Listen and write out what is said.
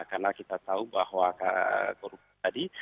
karena kita tahu bahwa korupsi tadi